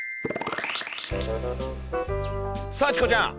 さあチコちゃん。